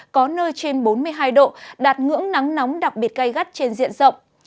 có nơi trên bốn mươi hai độ đạt ngưỡng nắng nóng đặc biệt gây gắt trên diện rộng